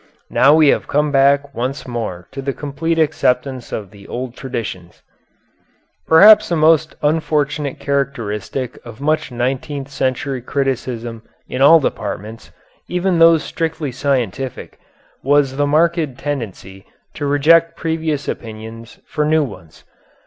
Now we have come back once more to the complete acceptance of the old traditions. Perhaps the most unfortunate characteristic of much nineteenth century criticism in all departments, even those strictly scientific, was the marked tendency to reject previous opinions for new ones.